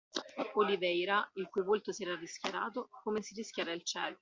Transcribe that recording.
Oliveira, il cui volto si era rischiarato, come si rischiara il cielo